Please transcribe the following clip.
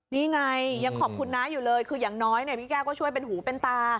นี่ไงยังขอบคุณน้าอยู่เลยคืออย่างน้อยพี่แก้วก็ช่วยเป็นหูเป็นตา